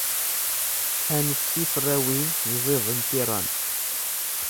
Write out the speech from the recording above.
Ad nečč tiferrawin yeẓẓiẓiden tiram.